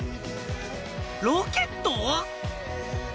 ［ロケット？］